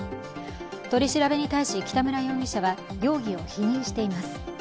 取り調べに対し北村容疑者は容疑を否認しています。